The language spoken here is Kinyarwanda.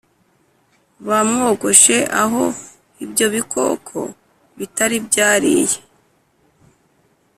bamwogoshe aho ibyo bikoko bitari byariye